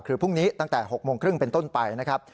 คือพรุ่งนี้ตั้งแต่๖โมงครึ่งเป็นต้นไปนะครับ